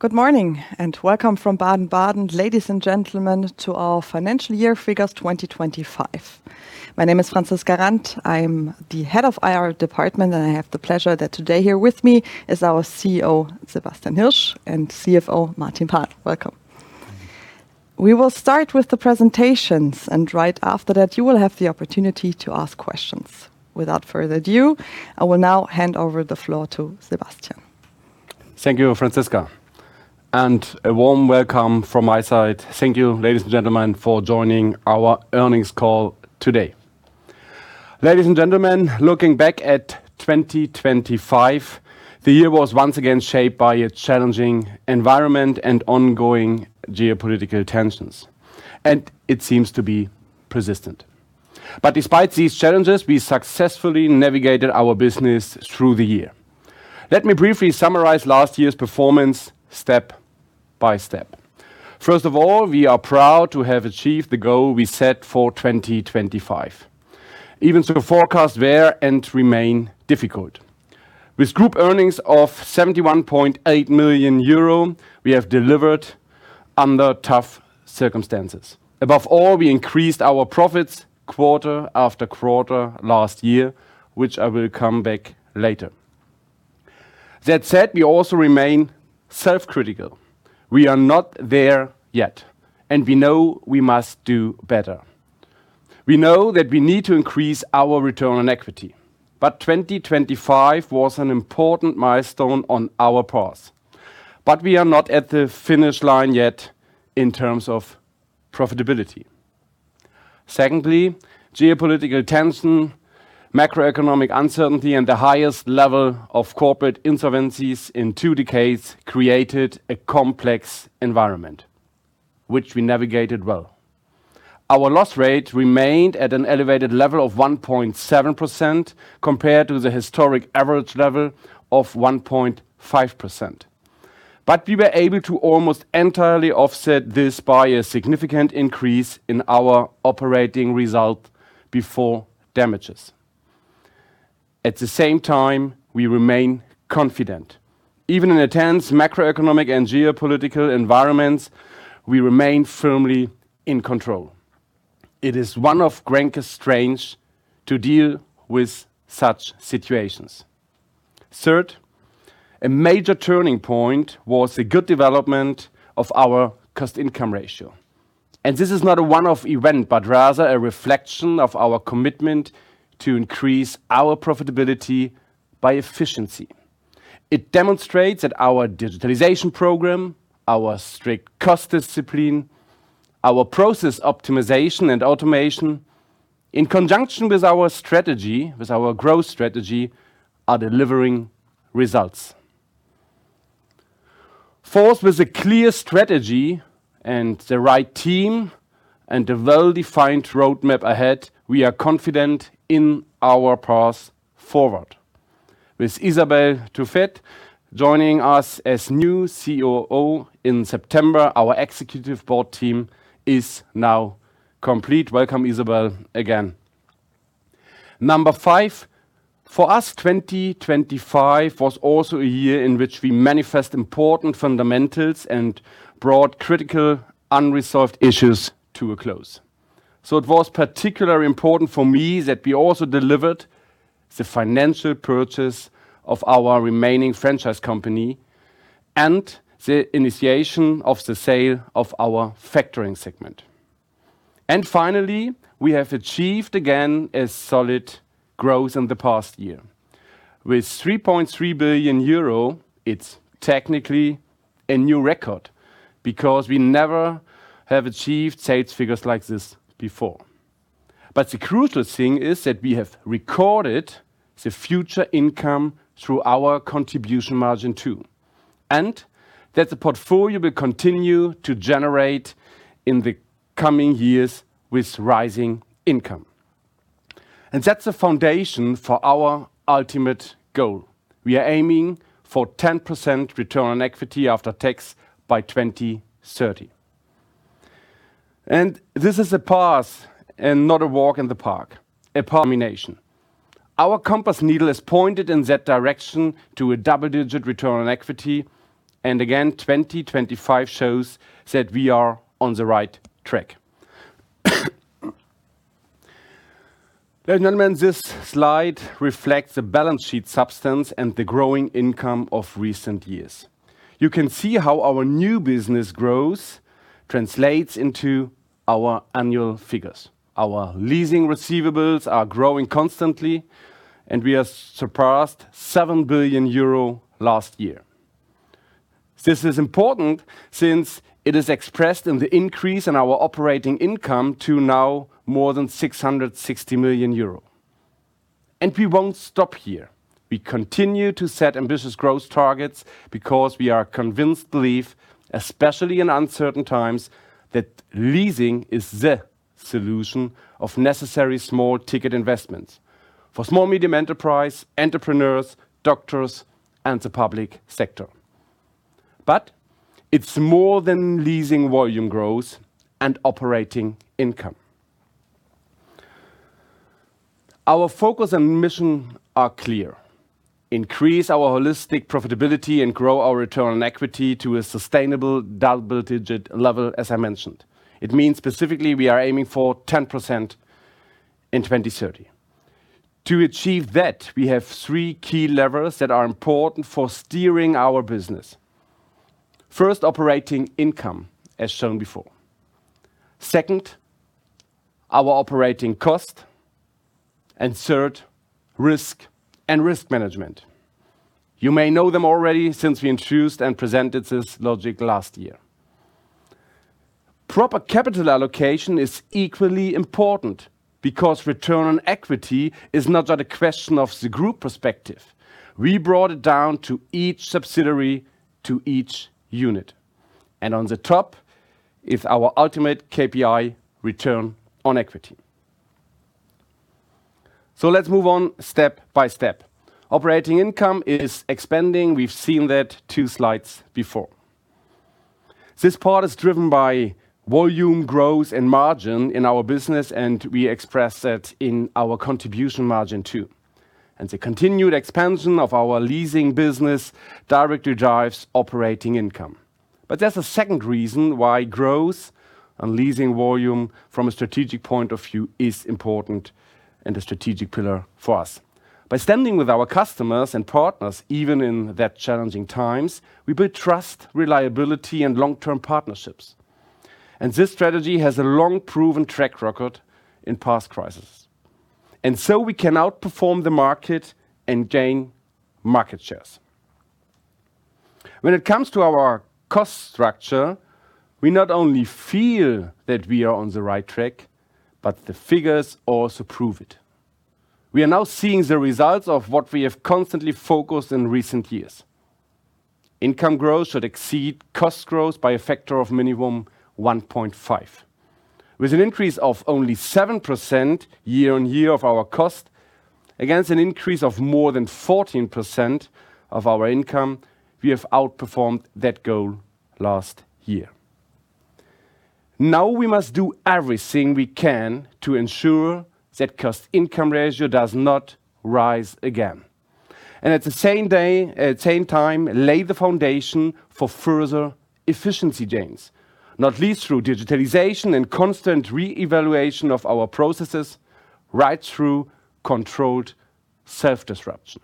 Good morning and welcome from Baden-Baden, ladies and gentlemen, to our financial year figures 2025. My name is Franziska Randt. I'm the Head of IR Department, and I have the pleasure that today here with me is our CEO, Sebastian Hirsch, and CFO, Martin Paal. Welcome. We will start with the presentations, and right after that you will have the opportunity to ask questions. Without further ado, I will now hand over the floor to Sebastian. Thank you, Franziska. A warm welcome from my side. Thank you, ladies and gentlemen, for joining our earnings call today. Ladies and gentlemen, looking back at 2025, the year was once again shaped by a challenging environment and ongoing geopolitical tensions, and it seems to be persistent. Despite these challenges, we successfully navigated our business through the year. Let me briefly summarize last year's performance step by step. First of all, we are proud to have achieved the goal we set for 2025, even though the forecasts were and remain difficult. With group earnings of 71.8 million euro, we have delivered under tough circumstances. Above all, we increased our profits quarter after quarter last year, which I will come back later. That said, we also remain self-critical. We are not there yet, and we know we must do better. We know that we need to increase our return on equity, but 2025 was an important milestone on our path. We are not at the finish line yet in terms of profitability. Secondly, geopolitical tension, macroeconomic uncertainty, and the highest level of corporate insolvencies in two decades created a complex environment, which we navigated well. Our loss rate remained at an elevated level of 1.7% compared to the historic average level of 1.5%. We were able to almost entirely offset this by a significant increase in our operating result before damages. At the same time, we remain confident. Even in a tense macroeconomic and geopolitical environments, we remain firmly in control. It is one of Grenke's strengths to deal with such situations. Third, a major turning point was the good development of our cost-income ratio. This is not a one-off event, but rather a reflection of our commitment to increase our profitability by efficiency. It demonstrates that our digitalization program, our strict cost discipline, our process optimization and automation in conjunction with our strategy, with our growth strategy, are delivering results. Fourth, with a clear strategy and the right team and a well-defined roadmap ahead, we are confident in our path forward. With Isabel Tufet Bayona joining us as new COO in September, our executive board team is now complete. Welcome, Isabel, again. Number 5, for us, 2024 was also a year in which we manifest important fundamentals and brought critical unresolved issues to a close. It was particularly important for me that we also delivered the final purchase of our remaining franchise company and the initiation of the sale of our factoring segment. Finally, we have achieved again a solid growth in the past year. With 3.3 billion euro, it's technically a new record because we never have achieved sales figures like this before. The crucial thing is that we have recorded the future income through our contribution margin 2, and that the portfolio will continue to generate in the coming years with rising income. That's the foundation for our ultimate goal. We are aiming for 10% return on equity after tax by 2030. This is a path and not a walk in the park, a combination. Our compass needle is pointed in that direction to a double-digit return on equity. Again, 2025 shows that we are on the right track. Ladies and gentlemen, this slide reflects the balance sheet substance and the growing income of recent years. You can see how our new business growth translates into our annual figures. Our leasing receivables are growing constantly, and we have surpassed 7 billion euro last year. This is important since it is expressed in the increase in our operating income to now more than 660 million euro. We won't stop here. We continue to set ambitious growth targets because we are convinced to believe, especially in uncertain times, that leasing is the solution of necessary small-ticket investments for small, medium enterprise, entrepreneurs, doctors, and the public sector. It's more than leasing volume growth and operating income. Our focus and mission are clear. Increase our holistic profitability and grow our return on equity to a sustainable double-digit level, as I mentioned. It means specifically we are aiming for 10% in 2030. To achieve that, we have three key levers that are important for steering our business. First, operating income, as shown before. Second, our operating cost. Third, risk and risk management. You may know them already since we introduced and presented this logic last year. Proper capital allocation is equally important because return on equity is not only a question of the group perspective. We brought it down to each subsidiary, to each unit. On the top is our ultimate KPI return on equity. Let's move on step by step. Operating income is expanding. We've seen that two slides before. This part is driven by volume growth and margin in our business, and we express that in our contribution margin 2. The continued expansion of our leasing business directly drives operating income. There's a second reason why growth and leasing volume from a strategic point of view is important and a strategic pillar for us. By standing with our customers and partners, even in that challenging times, we build trust, reliability, and long-term partnerships. This strategy has a long-proven track record in past crises. We can outperform the market and gain market shares. When it comes to our cost structure, we not only feel that we are on the right track, but the figures also prove it. We are now seeing the results of what we have constantly focused in recent years. Income growth should exceed cost growth by a factor of minimum 1.5. With an increase of only 7% year-over-year of our cost against an increase of more than 14% of our income, we have outperformed that goal last year. Now we must do everything we can to ensure that cost-income ratio does not rise again. At the same time, lay the foundation for further efficiency gains, not least through digitalization and constant re-evaluation of our processes right through controlled self-disruption.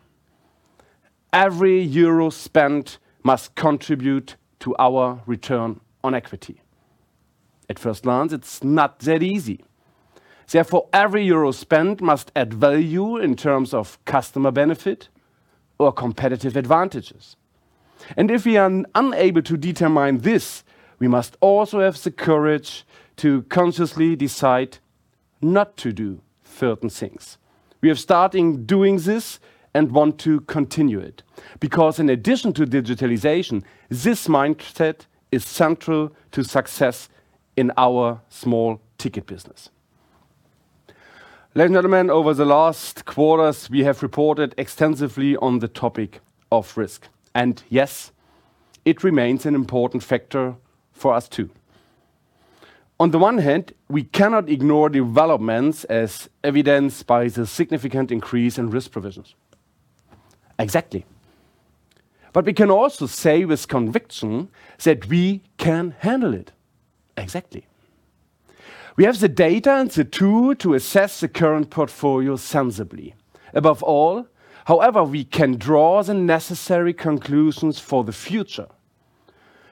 Every euro spent must contribute to our return on equity. At first glance, it's not that easy. Therefore, every euro spent must add value in terms of customer benefit or competitive advantages. If we are unable to determine this, we must also have the courage to consciously decide not to do certain things. We are starting doing this and want to continue it, because in addition to digitalization, this mindset is central to success in our small-ticket business. Ladies and gentlemen, over the last quarters, we have reported extensively on the topic of risk. Yes, it remains an important factor for us too. On the one hand, we cannot ignore developments as evidenced by the significant increase in risk provisions. Exactly. We can also say with conviction that we can handle it. Exactly. We have the data and the tool to assess the current portfolio sensibly. Above all, however, we can draw the necessary conclusions for the future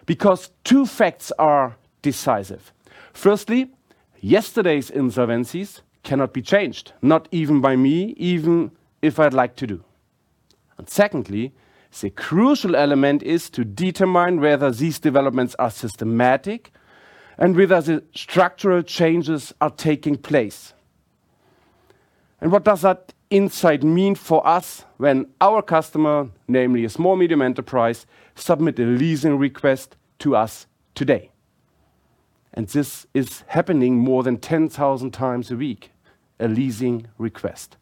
because two facts are decisive. Firstly, yesterday's insolvencies cannot be changed, not even by me, even if I'd like to do. Secondly, the crucial element is to determine whether these developments are systematic and whether the structural changes are taking place. What does that insight mean for us when our customer, namely a small medium enterprise, submit a leasing request to us today? This is happening more than 10,000 times a week, a leasing request.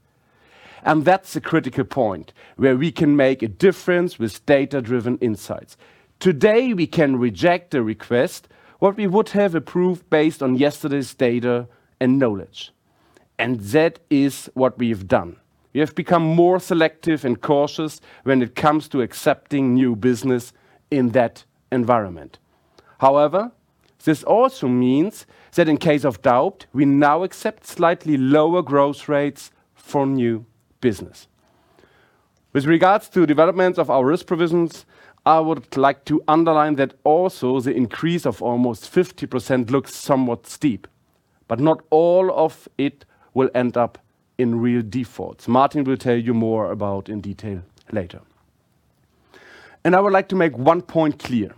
That's a critical point where we can make a difference with data-driven insights. Today, we can reject a request what we would have approved based on yesterday's data and knowledge. That is what we have done. We have become more selective and cautious when it comes to accepting new business in that environment. However, this also means that in case of doubt, we now accept slightly lower growth rates for new business. With regards to development of our risk provisions, I would like to underline that also the increase of almost 50% looks somewhat steep, but not all of it will end up in real defaults. Martin will tell you more about in detail later. I would like to make one point clear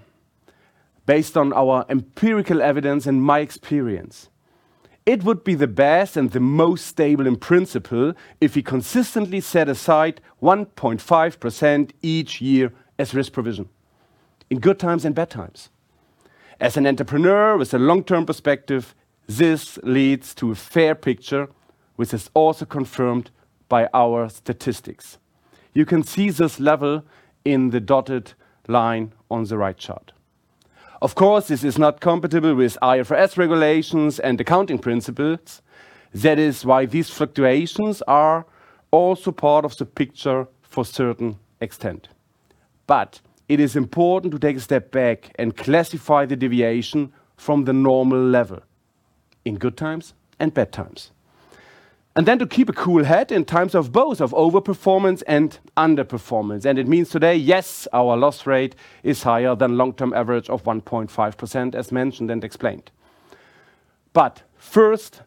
based on our empirical evidence and my experience, it would be the best and the most stable in principle if we consistently set aside 1.5% each year as risk provision in good times and bad times. As an entrepreneur with a long-term perspective, this leads to a fair picture, which is also confirmed by our statistics. You can see this level in the dotted line on the right chart. Of course, this is not compatible with IFRS regulations and accounting principles. That is why these fluctuations are also part of the picture to a certain extent. It is important to take a step back and classify the deviation from the normal level in good times and bad times, and then to keep a cool head in times of both of overperformance and underperformance. It means today, yes, our loss rate is higher than long-term average of 1.5%, as mentioned and explained. First,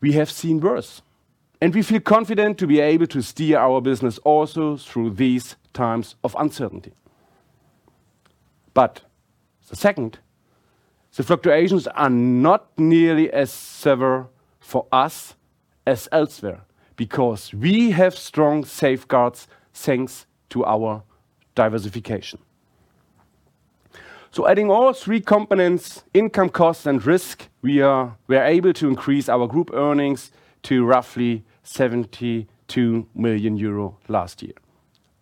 we have seen worse, and we feel confident to be able to steer our business also through these times of uncertainty. Second, the fluctuations are not nearly as severe for us as elsewhere, because we have strong safeguards thanks to our diversification. Adding all three components, income, cost, and risk, we are able to increase our group earnings to roughly 72 million euro last year.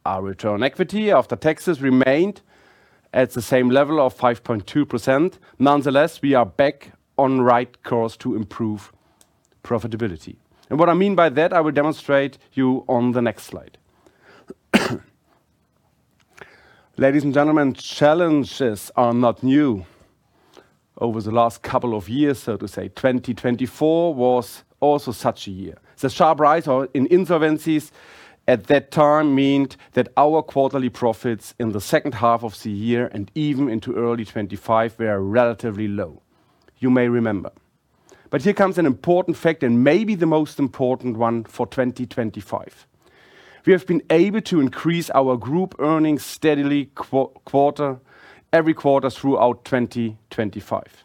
Our return on equity after taxes remained at the same level of 5.2%. Nonetheless, we are back on right course to improve profitability. What I mean by that, I will demonstrate you on the next slide. Ladies and gentlemen, challenges are not new over the last couple of years, so to say. 2024 was also such a year. The sharp rise in insolvencies at that time meant that our quarterly profits in the second half of the year and even into early 2025 were relatively low, you may remember. Here comes an important fact and maybe the most important one for 2025. We have been able to increase our group earnings steadily quarter-over-quarter, every quarter throughout 2025.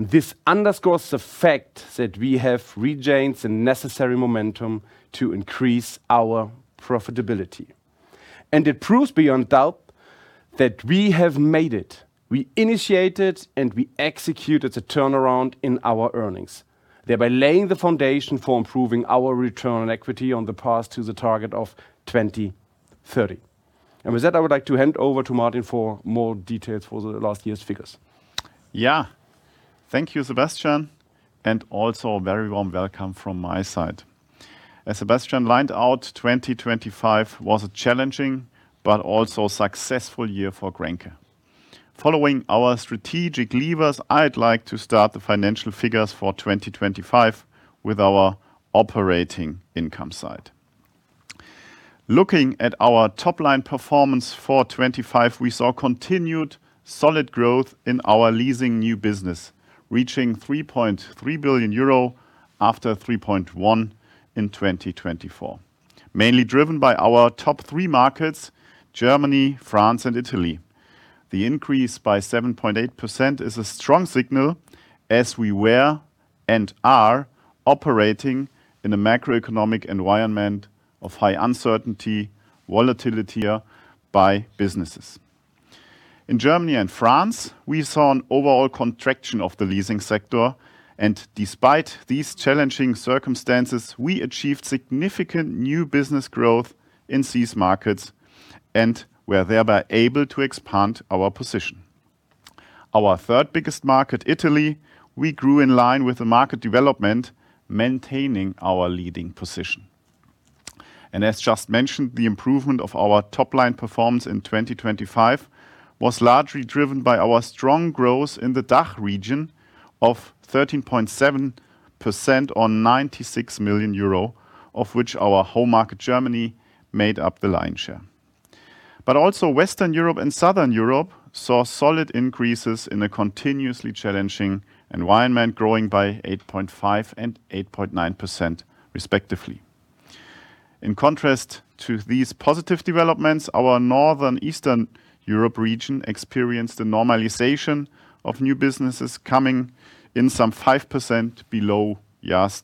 This underscores the fact that we have regained the necessary momentum to increase our profitability. It proves beyond doubt that we have made it. We initiated and we executed the turnaround in our earnings, thereby laying the foundation for improving our return on equity on the path to the target of 20-30%. With that, I would like to hand over to Martin for more details for the last year's figures. Yeah. Thank you, Sebastian, and also a very warm welcome from my side. As Sebastian laid out, 2025 was a challenging but also successful year for Grenke. Following our strategic levers, I'd like to start the financial figures for 2025 with our operating income side. Looking at our top-line performance for 2025, we saw continued solid growth in our leasing new business, reaching 3.3 billion euro after 3.1 billion in 2024. Mainly driven by our top three markets, Germany, France, and Italy. The increase by 7.8% is a strong signal as we were and are operating in a macroeconomic environment of high uncertainty, volatility for businesses. In Germany and France, we saw an overall contraction of the leasing sector, and despite these challenging circumstances, we achieved significant new business growth in these markets and were thereby able to expand our position. Our third-biggest market, Italy, we grew in line with the market development, maintaining our leading position. As just mentioned, the improvement of our top-line performance in 2025 was largely driven by our strong growth in the DACH region of 13.7% on 96 million euro, of which our home market, Germany, made up the lion's share. Also Western Europe and Southern Europe saw solid increases in a continuously challenging environment, growing by 8.5% and 8.9% respectively. In contrast to these positive developments, our Northern Eastern Europe region experienced a normalization of new businesses coming in some 5% below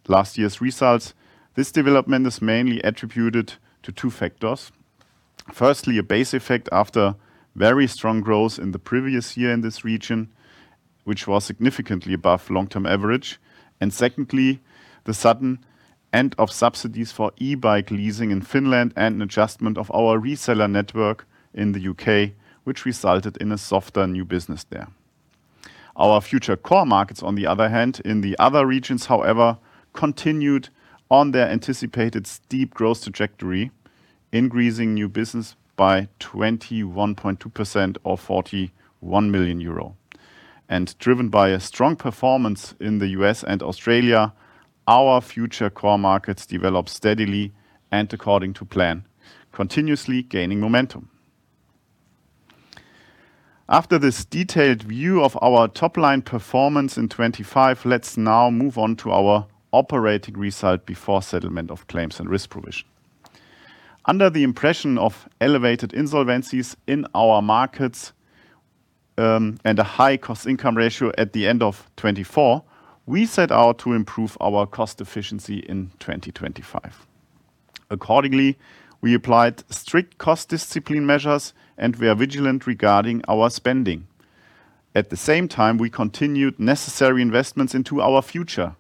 last year's results. This development is mainly attributed to two factors. Firstly, a base effect after very strong growth in the previous year in this region, which was significantly above long-term average. Secondly, the sudden end of subsidies for e-bike leasing in Finland and an adjustment of our reseller network in the U.K., which resulted in a softer new business there. Our future core markets, on the other hand, in the other regions, however, continued on their anticipated steep growth trajectory, increasing new business by 21.2% or 41 million euro. Driven by a strong performance in the U.S. and Australia, our future core markets developed steadily and according to plan, continuously gaining momentum. After this detailed view of our top-line performance in 2025, let's now move on to our operating result before settlement of claims and risk provision. Under the impression of elevated insolvencies in our markets and a high cost-income ratio at the end of 2024, we set out to improve our cost efficiency in 2025. Accordingly, we applied strict cost discipline measures, and we are vigilant regarding our spending. At the same time, we continued necessary investments into our future,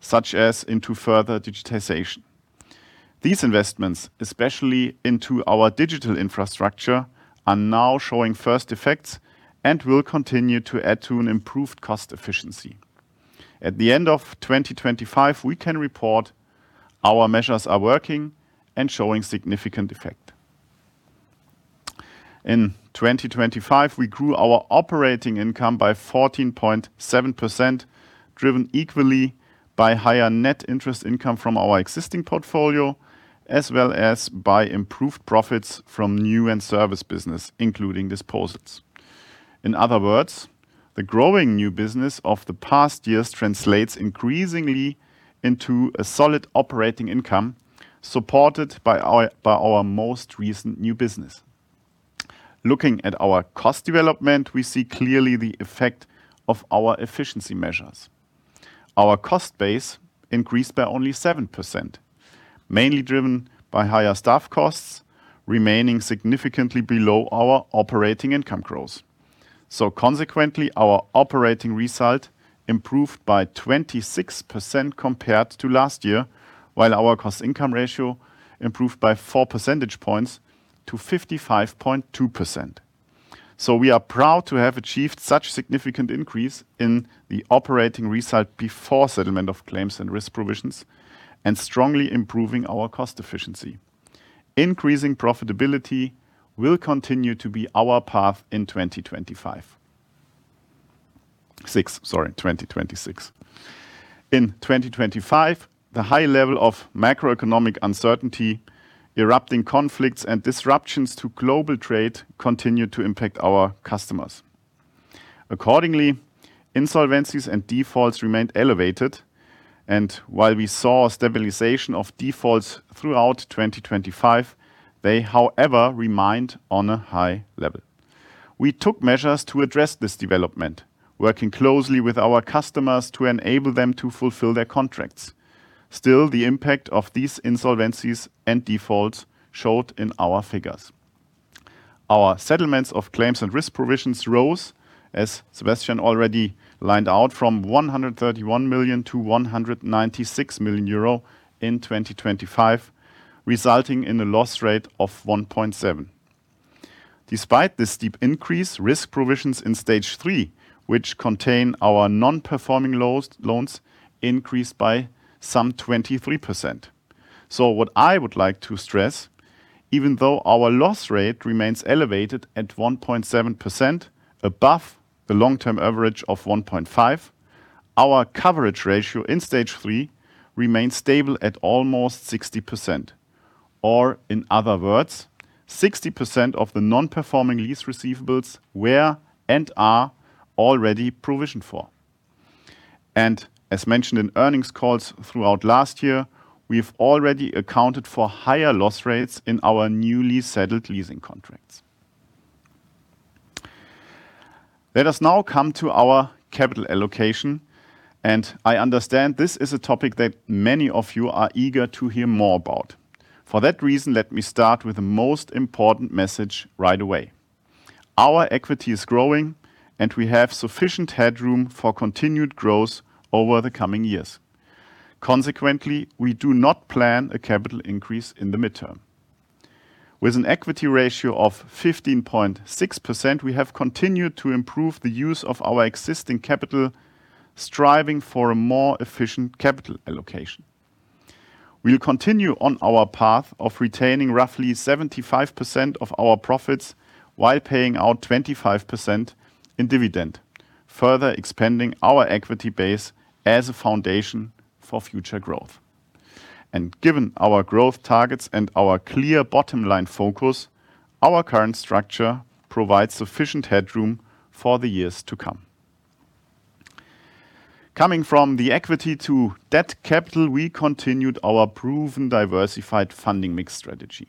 such as into further digitization. These investments, especially into our digital infrastructure, are now showing first effects and will continue to add to an improved cost efficiency. At the end of 2025, we can report our measures are working and showing significant effect. In 2025, we grew our operating income by 14.7%, driven equally by higher net interest income from our existing portfolio, as well as by improved profits from new and service business, including disposals. In other words, the growing new business of the past years translates increasingly into a solid operating income supported by our most recent new business. Looking at our cost development, we see clearly the effect of our efficiency measures. Our cost base increased by only 7%, mainly driven by higher staff costs remaining significantly below our operating income growth. Consequently, our operating result improved by 26% compared to last year, while our cost-income ratio improved by 4 percentage points to 55.2%. We are proud to have achieved such significant increase in the operating result before settlement of claims and risk provisions and strongly improving our cost efficiency. Increasing profitability will continue to be our path in 2026. In 2025, the high level of macroeconomic uncertainty, erupting conflicts, and disruptions to global trade continued to impact our customers. Accordingly, insolvencies and defaults remained elevated, and while we saw a stabilization of defaults throughout 2025, they, however, remained on a high level. We took measures to address this development, working closely with our customers to enable them to fulfill their contracts. Still, the impact of these insolvencies and defaults showed in our figures. Our settlements of claims and risk provisions rose, as Sebastian already lined out, from 131 million to 196 million euro in 2025, resulting in a loss rate of 1.7%. Despite this steep increase, risk provisions in stage 3, which contain our non-performing loans, increased by some 23%. What I would like to stress, even though our loss rate remains elevated at 1.7% above the long-term average of 1.5%, our coverage ratio in stage 3 remains stable at almost 60%. In other words, 60% of the non-performing lease receivables were and are already provisioned for. As mentioned in earnings calls throughout last year, we've already accounted for higher loss rates in our newly settled leasing contracts. Let us now come to our capital allocation, and I understand this is a topic that many of you are eager to hear more about. For that reason, let me start with the most important message right away. Our equity is growing, and we have sufficient headroom for continued growth over the coming years. Consequently, we do not plan a capital increase in the midterm. With an equity ratio of 15.6%, we have continued to improve the use of our existing capital, striving for a more efficient capital allocation. We'll continue on our path of retaining roughly 75% of our profits while paying out 25% in dividend, further expanding our equity base as a foundation for future growth. Given our growth targets and our clear bottom line focus, our current structure provides sufficient headroom for the years to come. Coming from the equity to debt capital, we continued our proven diversified funding mix strategy.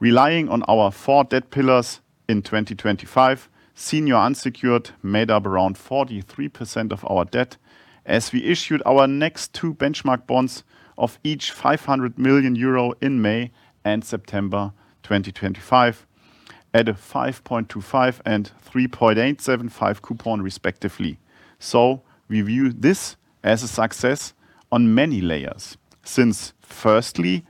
Relying on our four debt pillars in 2025, senior unsecured made up around 43% of our debt as we issued our next two benchmark bonds of each 500 million euro in May and September 2025 at a 5.25% and 3.875% coupon respectively. We view this as a success on many layers since firstly,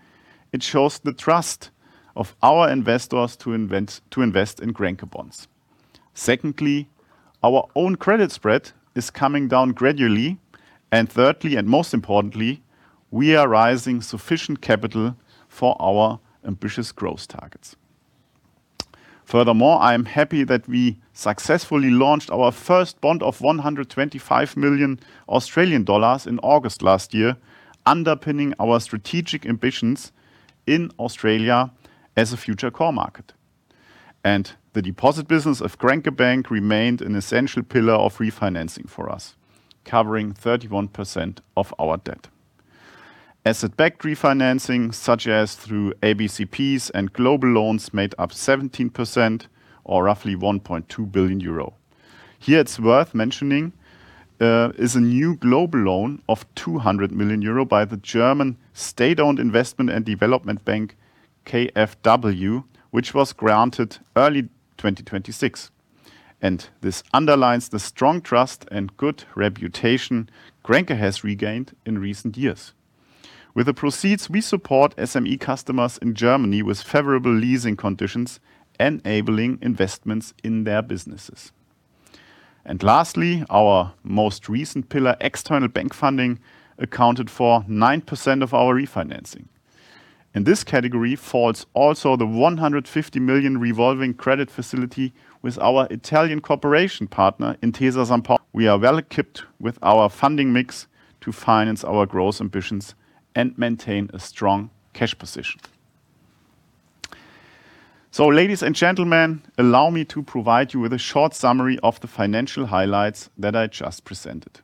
it shows the trust of our investors to invest in Grenke bonds. Secondly, our own credit spread is coming down gradually. Thirdly, and most importantly, we are raising sufficient capital for our ambitious growth targets. Furthermore, I am happy that we successfully launched our first bond of 125 million Australian dollars in August last year, underpinning our strategic ambitions in Australia as a future core market. The deposit business of Grenke Bank remained an essential pillar of refinancing for us, covering 31% of our debt. Asset-backed refinancing, such as through ABCPs and global loans, made up 17% or roughly 1.2 billion euro. Here, it's worth mentioning is a new global loan of 200 million euro by the German state-owned investment and development bank KfW, which was granted early 2026. This underlines the strong trust and good reputation Grenke has regained in recent years. With the proceeds, we support SME customers in Germany with favorable leasing conditions, enabling investments in their businesses. Lastly, our most recent pillar, external bank funding, accounted for 9% of our refinancing. In this category falls also the 150 million revolving credit facility with our Italian cooperation partner, Intesa Sanpaolo. We are well equipped with our funding mix to finance our growth ambitions and maintain a strong cash position. Ladies and gentlemen, allow me to provide you with a short summary of the financial highlights that I just presented.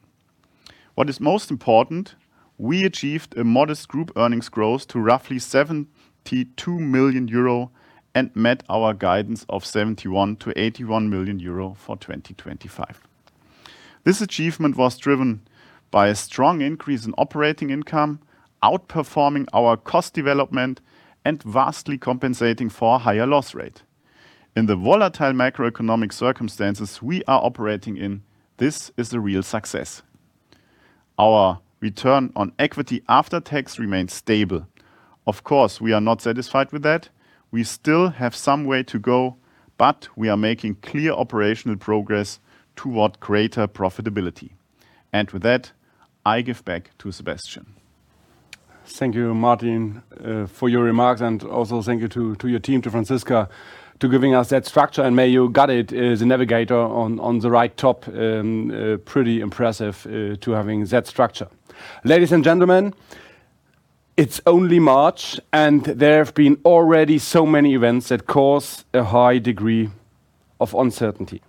What is most important, we achieved a modest group earnings growth to roughly 72 million euro and met our guidance of 71 million-81 million euro for 2025. This achievement was driven by a strong increase in operating income, outperforming our cost development and vastly compensating for a higher loss rate. In the volatile macroeconomic circumstances we are operating in, this is a real success. Our return on equity after tax remains stable. Of course, we are not satisfied with that. We still have some way to go, but we are making clear operational progress toward greater profitability. With that, I give back to Sebastian. Thank you, Martin, for your remarks and also thank you to your team, to Franziska, for giving us that structure. May you guide it as a navigator on the right track. Pretty impressive, having that structure. Ladies and gentlemen, it's only March, and there have been already so many events that cause a high degree of uncertainty.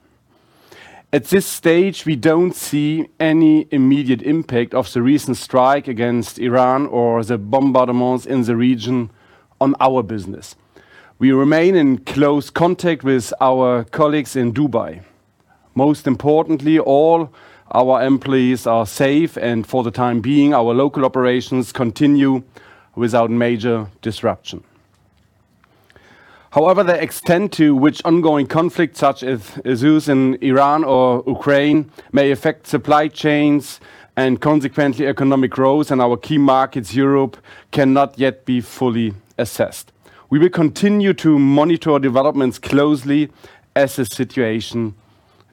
At this stage, we don't see any immediate impact of the recent strike against Iran or the bombardments in the region on our business. We remain in close contact with our colleagues in Dubai. Most importantly, all our employees are safe, and for the time being, our local operations continue without major disruption. However, the extent to which ongoing conflicts, such as those in Iran or Ukraine, may affect supply chains and consequently economic growth in our key markets, Europe, cannot yet be fully assessed. We will continue to monitor developments closely as the situation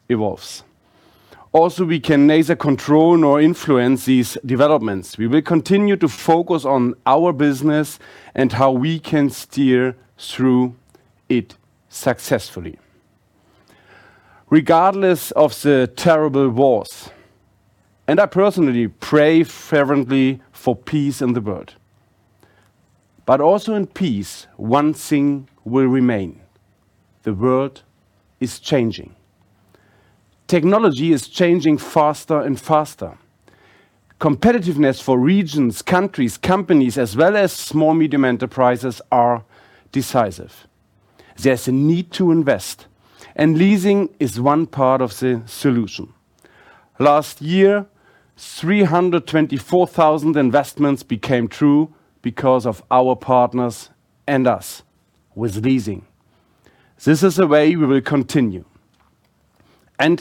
evolves. Also, we can neither control nor influence these developments. We will continue to focus on our business and how we can steer through it successfully. Regardless of the terrible wars, and I personally pray fervently for peace in the world, but also in peace, one thing will remain: the world is changing. Technology is changing faster and faster. Competitiveness for regions, countries, companies, as well as small and medium enterprises, are decisive. There's a need to invest, and leasing is one part of the solution. Last year, 324,000 investments became true because of our partners and us with leasing. This is the way we will continue.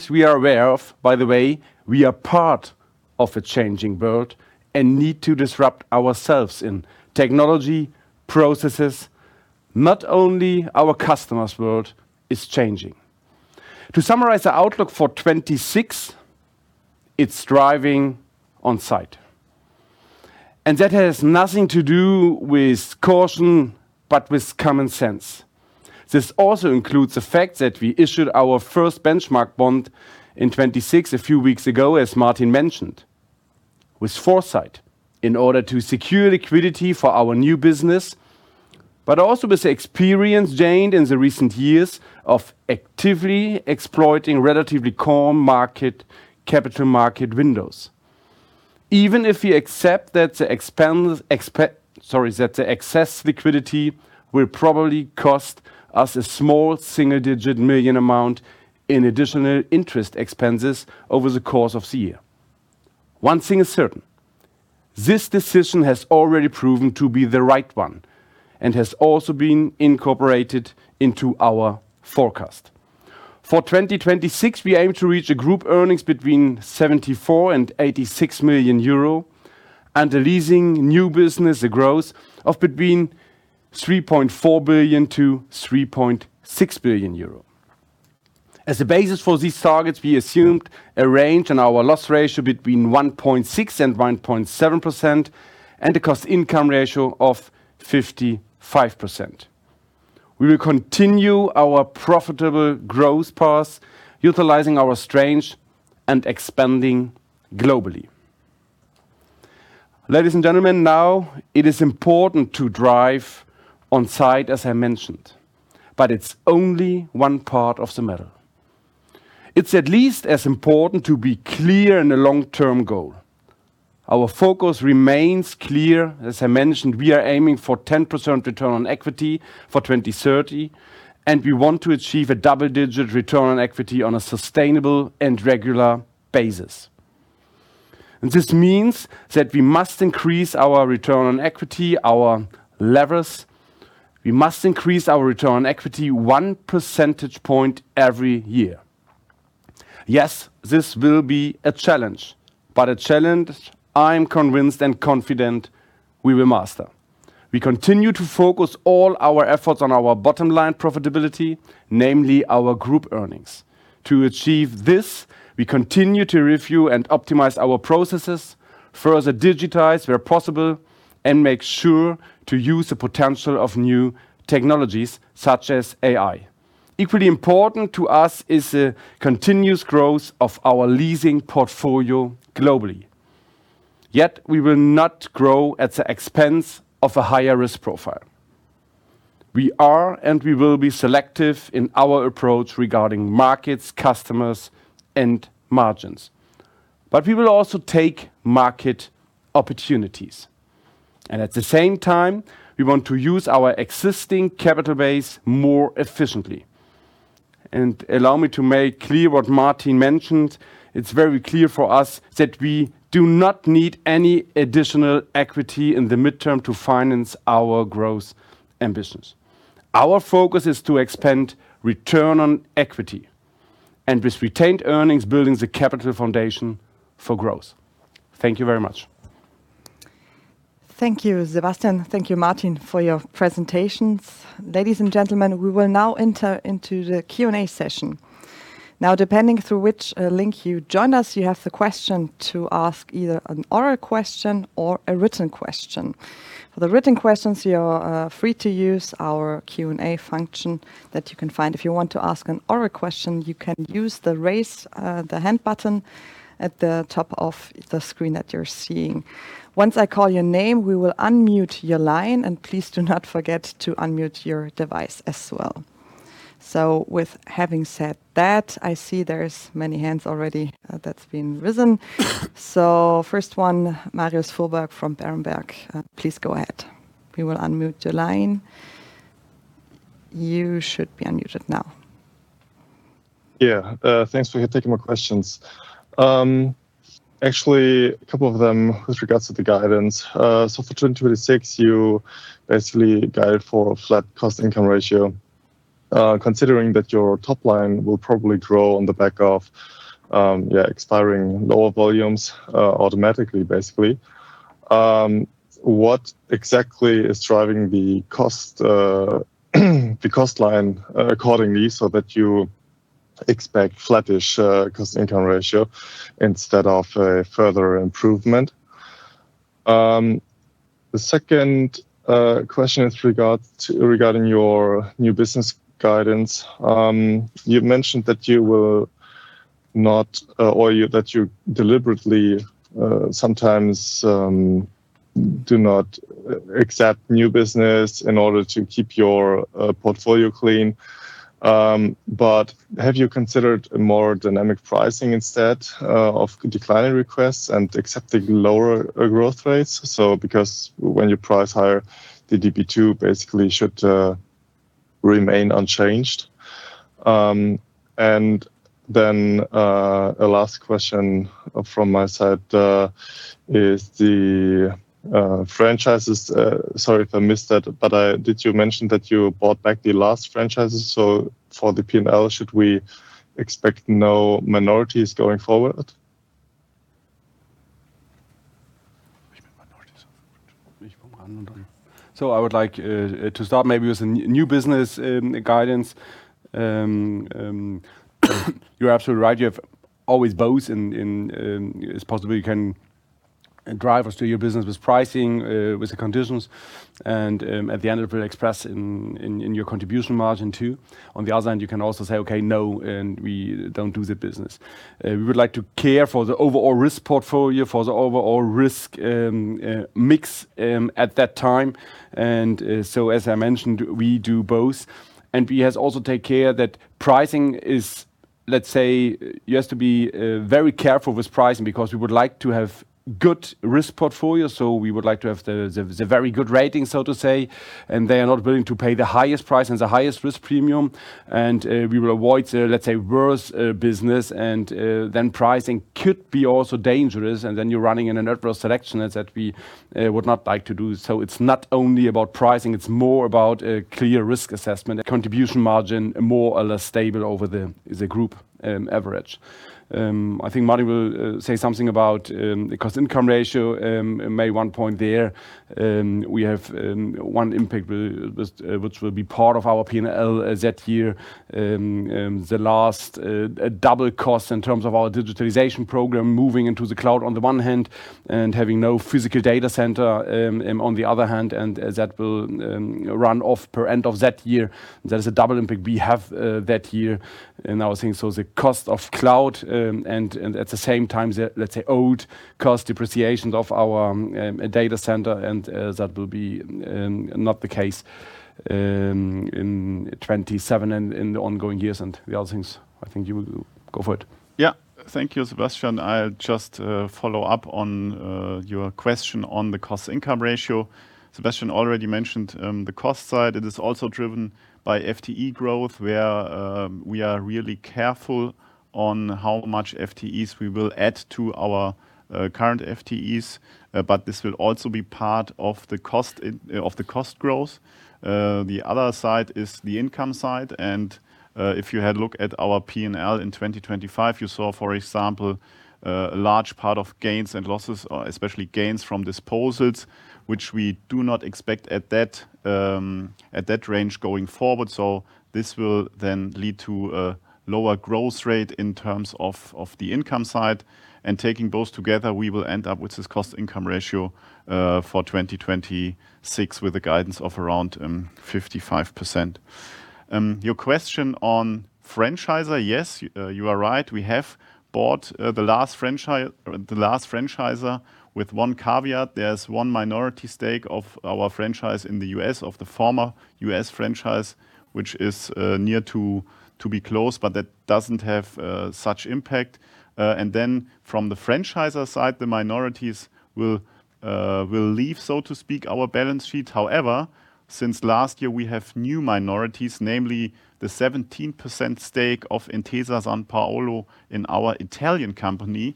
We are aware of, by the way, we are part of a changing world and need to disrupt ourselves in technology, processes. Not only our customer's world is changing. To summarize the outlook for 2026, it's driving on sight. That has nothing to do with caution, but with common sense. This also includes the fact that we issued our first benchmark bond in 2026 a few weeks ago, as Martin mentioned, with foresight in order to secure liquidity for our new business, but also with the experience gained in the recent years of actively exploiting relatively calm capital market windows. Even if you accept that the excess liquidity will probably cost us a small single-digit million EUR amount in additional interest expenses over the course of the year. One thing is certain, this decision has already proven to be the right one and has also been incorporated into our forecast. For 2026, we aim to reach a group earnings between 74 million and 86 million euro and a leasing new business, a growth of between 3.4 billion and 3.6 billion euro. As a basis for these targets, we assumed a range in our loss ratio between 1.6% and 1.7% and a cost-income ratio of 55%. We will continue our profitable growth path, utilizing our strength and expanding globally. Ladies and gentlemen, now it is important to drive on sight, as I mentioned, but it's only one part of the matter. It's at least as important to be clear in the long-term goal. Our focus remains clear. As I mentioned, we are aiming for 10% return on equity for 2030, and we want to achieve a double-digit return on equity on a sustainable and regular basis. This means that we must increase our return on equity, our levers. We must increase our return on equity 1 percentage point every year. Yes, this will be a challenge, but a challenge I'm convinced and confident we will master. We continue to focus all our efforts on our bottom line profitability, namely our group earnings. To achieve this, we continue to review and optimize our processes, further digitize where possible, and make sure to use the potential of new technologies such as AI. Equally important to us is the continuous growth of our leasing portfolio globally. Yet we will not grow at the expense of a higher risk profile. We are and we will be selective in our approach regarding markets, customers and margins. We will also take market opportunities. At the same time we want to use our existing capital base more efficiently. Allow me to make clear what Martin mentioned. It's very clear for us that we do not need any additional equity in the midterm to finance our growth ambitions. Our focus is to expand return on equity and with retained earnings, building the capital foundation for growth. Thank you very much. Thank you, Sebastian. Thank you, Martin, for your presentations. Ladies and gentlemen, we will now enter into the Q&A session. Now, depending on which link you join us, you have the question to ask either an oral question or a written question. For the written questions, you are free to use our Q&A function that you can find. If you want to ask an oral question, you can use the raise hand button at the top of the screen that you're seeing. Once I call your name, we will unmute your line. Please do not forget to unmute your device as well. With having said that, I see there's many hands already that have been raised. First one, Marius Fuhrberg from Berenberg, please go ahead. We will unmute your line. You should be unmuted now. Thanks for taking my questions. Actually, a couple of them with regards to the guidance. For 2026, you basically guide for a flat cost-income ratio. Considering that your top line will probably grow on the back of expiring lower volumes automatically, basically, what exactly is driving the cost line accordingly so that you expect flattish cost-income ratio instead of a further improvement? The second question is regarding your new business guidance. You mentioned that you will not or that you deliberately sometimes do not accept new business in order to keep your portfolio clean. Have you considered a more dynamic pricing instead of declining requests and accepting lower growth rates? Because when you price higher, the CM2 basically should remain unchanged. Then a last question from my side is the franchises. Sorry if I missed that, but did you mention that you bought back the last franchises? For the P&L, should we expect no minorities going forward? I would like to start maybe with the new business guidance. You're absolutely right. It's possible you can drive our business with pricing, with the conditions and at the end it will express in our contribution margin 2. On the other hand, you can also say, "Okay, no, and we don't do the business." We would like to care for the overall risk portfolio, for the overall risk mix, at that time. As I mentioned, we do both. We has also take care that pricing is. Let's say you have to be very careful with pricing because we would like to have good risk portfolio. We would like to have the very good rating, so to say. They are not willing to pay the highest price and the highest risk premium. We will avoid, let's say, worse business. Then pricing could be also dangerous. Then you're running in an adverse selection that we would not like to do. It's not only about pricing, it's more about a clear risk assessment. A contribution margin more or less stable over the group average. I think Martin will say something about the cost-income ratio. He made one point there. We have one impact which will be part of our P&L that year. The last double cost in terms of our digitalization program, moving into the cloud on the one hand and having no physical data center on the other hand, and that will run off by end of that year. There is a double impact we have that year in our thing. So the cost of cloud and at the same time the let's say old cost depreciation of our data center, and that will be not the case in 2027 and in the ongoing years. The other things I think you will go for it. Yeah. Thank you, Sebastian. I'll just follow up on your question on the cost-income ratio. Sebastian already mentioned the cost side. It is also driven by FTE growth, where we are really careful. On how much FTEs we will add to our current FTEs, but this will also be part of the cost of the cost growth. The other side is the income side. If you have a look at our P&L in 2025, you saw, for example, a large part of gains and losses, or especially gains from disposals, which we do not expect at that range going forward. This will then lead to a lower growth rate in terms of the income side. Taking both together, we will end up with this cost-income ratio for 2026 with a guidance of around 55%. Your question on franchise. Yes, you are right, we have bought the last franchise with one caveat. There's one minority stake of our franchise in the U.S., of the former U.S. franchise, which is near to be closed, but that doesn't have such impact. From the franchise side, the minorities will leave, so to speak, our balance sheet. However, since last year we have new minorities, namely the 17% stake of Intesa Sanpaolo in our Italian company,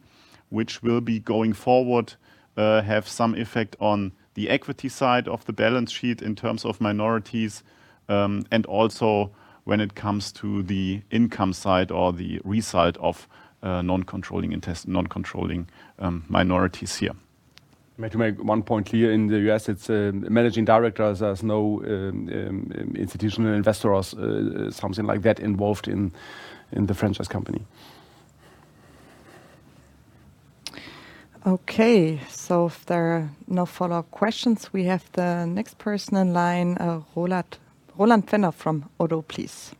which will be going forward have some effect on the equity side of the balance sheet in terms of minorities, and also when it comes to the income side or the result of non-controlling interest, minorities here. To make one point clear, in the U.S. it's managing directors. There's no institutional investors or something like that involved in the franchise company. Okay. If there are no follow-up questions, we have the next person in line, Roland Pfänder from ODDO BHF please.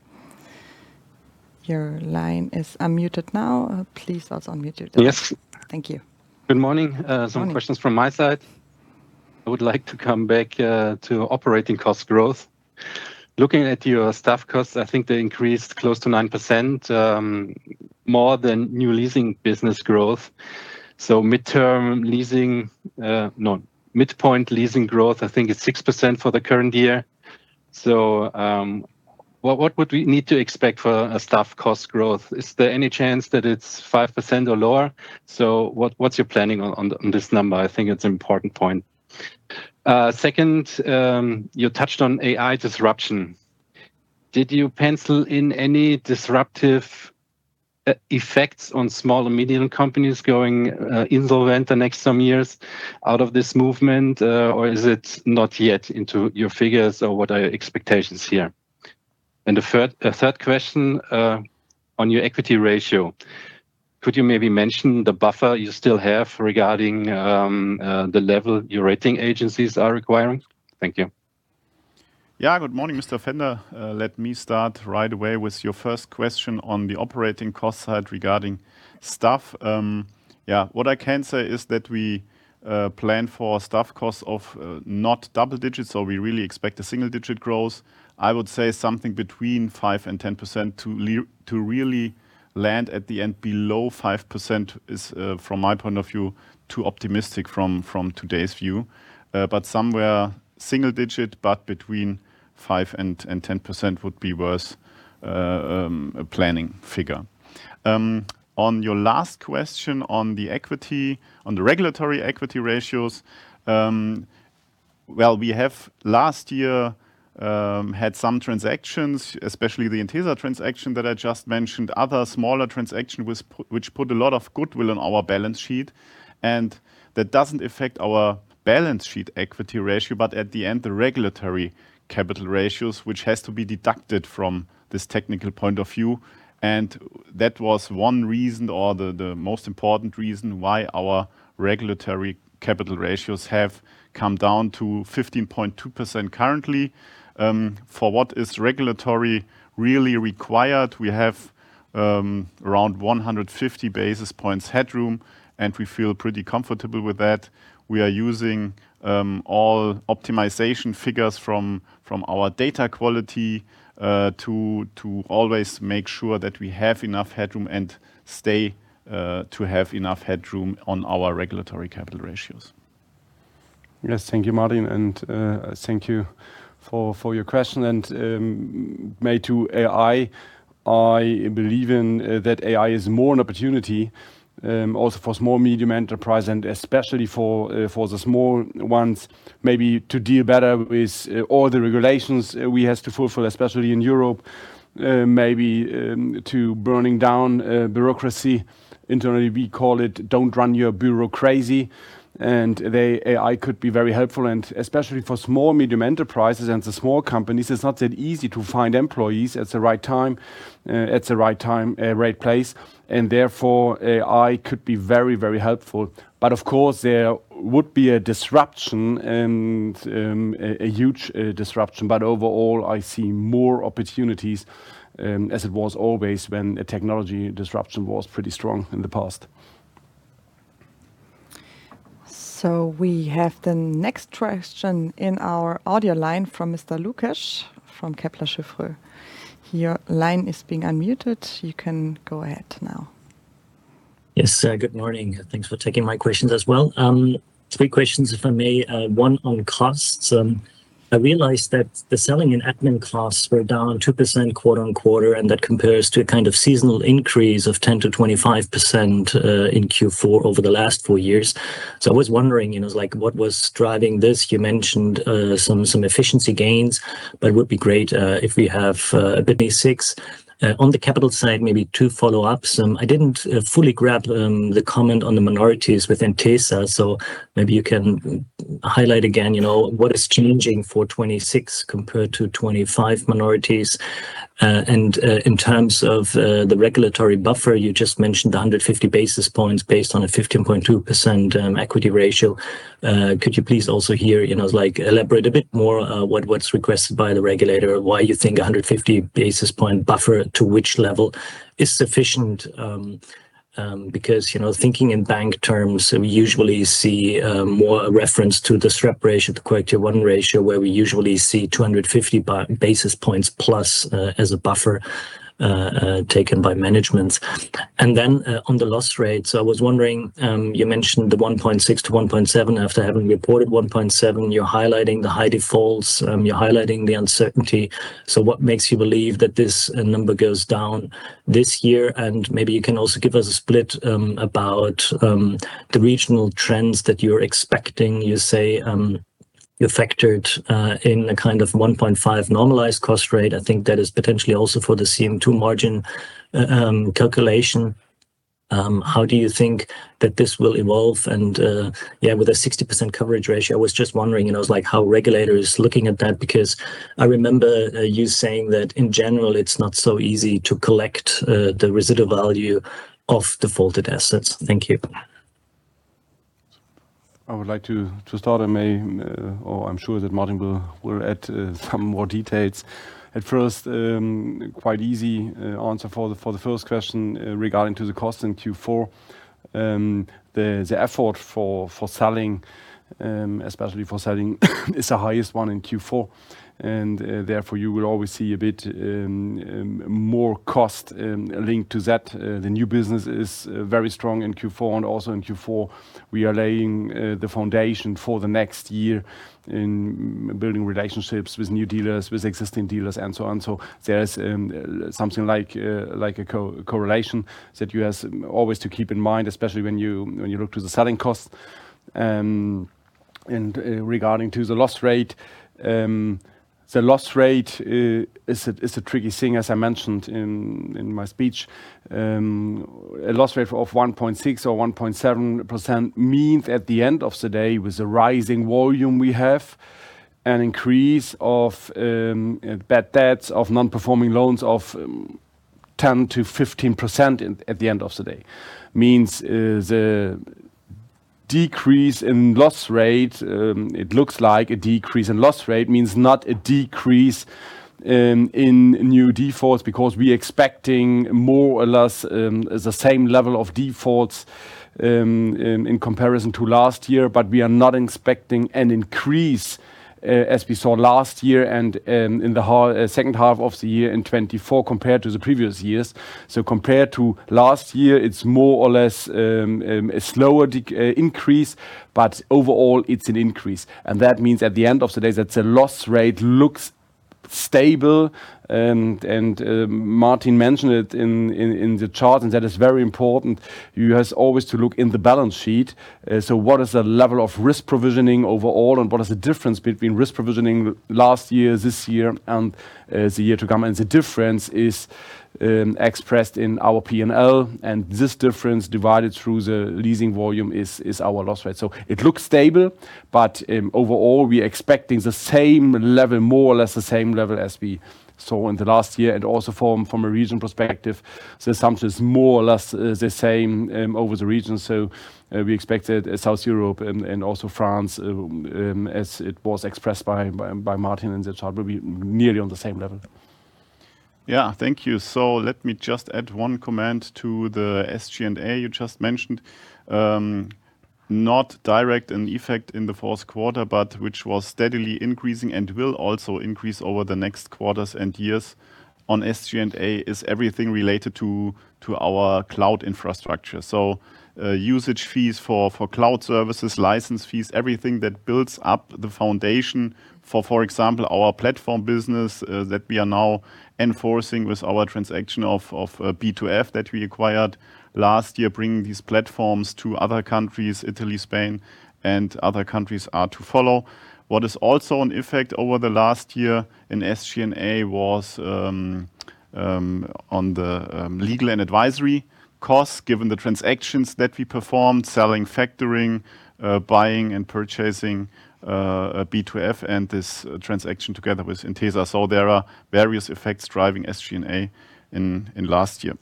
Your line is unmuted now. Please also unmute yourself. Yes. Thank you. Good morning. Morning. Some questions from my side. I would like to come back to operating cost growth. Looking at your staff costs, I think they increased close to 9% more than new leasing business growth. Midpoint leasing growth, I think it's 6% for the current year. What would we need to expect for a staff cost growth? Is there any chance that it's 5% or lower? What's your planning on this number? I think it's important point. Second, you touched on AI disruption. Did you pencil in any disruptive effects on small or medium companies going insolvent the next some years out of this movement, or is it not yet into your figures? What are your expectations here? The third question on your equity ratio. Could you maybe mention the buffer you still have regarding the level your rating agencies are requiring? Thank you. Yeah. Good morning, Mr. Pfänder. Let me start right away with your first question on the operating cost side regarding staff. What I can say is that we plan for staff costs of not double digits, so we really expect a single-digit growth. I would say something between 5% and 10%. To really land at the end below 5% is, from my point of view, too optimistic from today's view. But somewhere single digit, but between 5% and 10% would be worse planning figure. On your last question on the equity, on the regulatory equity ratios. Well, we have last year had some transactions, especially the Intesa transaction that I just mentioned, other smaller transaction which put a lot of goodwill on our balance sheet. That doesn't affect our balance sheet equity ratio, but at the end, the regulatory capital ratios, which has to be deducted from this technical point of view. That was one reason or the most important reason why our regulatory capital ratios have come down to 15.2% currently. For what is regulatorily required, we have around 150 basis points headroom, and we feel pretty comfortable with that. We are using all optimization figures from our data quality to always make sure that we have enough headroom on our regulatory capital ratios. Yes. Thank you, Martin. Thank you for your question. I believe that AI is more an opportunity also for small, medium enterprise and especially for the small ones, maybe to deal better with all the regulations we has to fulfill, especially in Europe, maybe to bringing down bureaucracy internally. We call it "Don't run your bureaucracy crazy." AI could be very helpful and especially for small, medium enterprises and the small companies, it's not that easy to find employees at the right time, right place, and therefore AI could be very, very helpful. Of course, there would be a disruption and a huge disruption. Overall, I see more opportunities, as it was always when a technology disruption was pretty strong in the past. We have the next question in our audio line from Tobias Lukesch from Kepler Cheuvreux. Your line is being unmuted. You can go ahead now. Yes, good morning. Thanks for taking my questions as well. Three questions if I may. One on costs. I realized that the selling and admin costs were down 2% quarter-over-quarter, and that compares to a kind of seasonal increase of 10%-25% in Q4 over the last four years. I was wondering, you know, like what was driving this? You mentioned some efficiency gains, but it would be great if we have a bit more. On the capital side, maybe two follow-ups. I didn't fully grasp the comment on the minorities with Intesa, so maybe you can highlight again, you know, what is changing for 2026 compared to 2025 minorities. In terms of the regulatory buffer, you just mentioned the 150 basis points based on a 15.2% equity ratio. Could you please also here, you know, like elaborate a bit more what’s requested by the regulator, why you think a 150 basis point buffer to which level is sufficient? Because, you know, thinking in bank terms, we usually see more a reference to the SREP ratio, CET1 ratio, where we usually see 250 basis points plus as a buffer taken by management. On the loss rates, I was wondering you mentioned the 1.6%-1.7%. After having reported 1.7%, you're highlighting the high defaults, you're highlighting the uncertainty. What makes you believe that this number goes down this year? Maybe you can also give us a split about the regional trends that you're expecting. You say you factored in a kind of 1.5 normalized cost rate. I think that is potentially also for the CM2 margin calculation. How do you think that this will evolve? Yeah, with a 60% coverage ratio, I was just wondering, you know, like how regulator is looking at that, because I remember you saying that in general it's not so easy to collect the residual value of defaulted assets. Thank you. I'm sure that Martin will add some more details. At first, quite easy answer for the first question regarding to the cost in Q4. The effort for selling, especially for selling is the highest one in Q4, and therefore you will always see a bit more cost linked to that. The new business is very strong in Q4, and also in Q4 we are laying the foundation for the next year in building relationships with new dealers, with existing dealers and so on. There is something like a correlation that you have always to keep in mind, especially when you look to the selling costs. Regarding the loss rate, the loss rate is a tricky thing, as I mentioned in my speech. A loss rate of 1.6% or 1.7% means at the end of the day, with the rising volume we have, an increase of bad debts of non-performing loans of 10%-15% at the end of the day. It means a decrease in loss rate. It looks like a decrease in loss rate. It means not a decrease in new defaults because we expecting more or less the same level of defaults in comparison to last year. We are not expecting an increase as we saw last year and in the second half of the year in 2024 compared to the previous years. Compared to last year, it's more or less a slower increase, but overall it's an increase. That means at the end of the day, the loss rate looks stable. Martin mentioned it in the chart, and that is very important. You have always to look in the balance sheet. What is the level of risk provisioning overall, and what is the difference between risk provisioning last year, this year and the year to come? The difference is expressed in our P&L, and this difference divided through the leasing volume is our loss rate. It looks stable, but overall we are expecting the same level, more or less the same level as we saw in the last year. Also from a region perspective, the sum is more or less the same over the region. We expected South Europe and also France, as it was expressed by Martin in the chart, will be nearly on the same level. Yeah. Thank you. Let me just add one comment to the SG&A you just mentioned. Not directly in effect in the fourth quarter, but which was steadily increasing and will also increase over the next quarters and years on SG&A is everything related to our cloud infrastructure. Usage fees for cloud services, license fees, everything that builds up the foundation for example, our platform business that we are now enforcing with our transaction of B2F that we acquired last year, bringing these platforms to other countries, Italy, Spain and other countries are to follow. What is also in effect over the last year in SG&A was on the legal and advisory costs, given the transactions that we performed, selling, factoring, buying and purchasing B2F and this transaction together with Intesa. There are various effects driving SG&A in last year.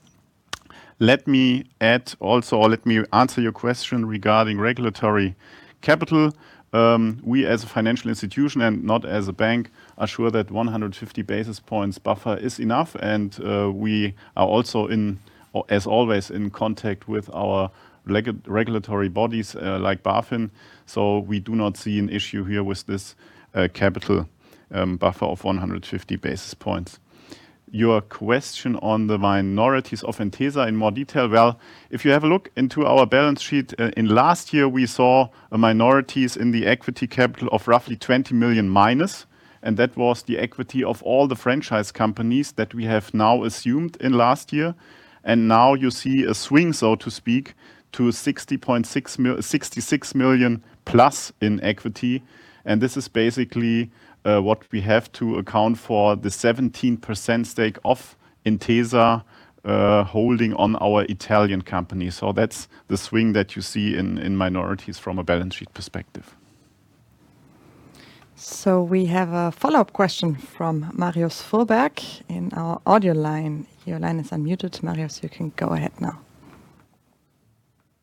Let me answer your question regarding regulatory capital. We as a financial institution and not as a bank are sure that 150 basis points buffer is enough, and we are also as always in contact with our regulatory bodies like BaFin. We do not see an issue here with this capital buffer of 150 basis points. Your question on the minorities of Intesa in more detail. If you have a look into our balance sheet in last year, we saw a minorities in the equity capital of roughly -20 million. That was the equity of all the franchise companies that we have now assumed in last year. Now you see a swing, so to speak, to 66 million plus in equity. This is basically what we have to account for the 17% stake of Intesa holding on our Italian company. That's the swing that you see in minorities from a balance sheet perspective. We have a follow-up question from Marius Fuhrberg in our audio line. Your line is unmuted, Marius. You can go ahead now.